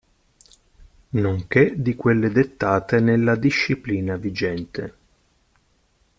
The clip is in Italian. Nonché di quelle dettate nella disciplina vigente.